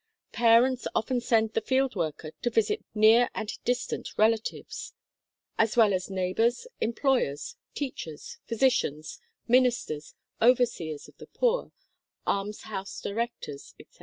Parents often send the field worker to visit near and distant relatives as well as 13 i 4 THE KALLIKAK FAMILY neighbors, employers, teachers, physicians, ministers, overseers of the poor, almshouse directors, etc.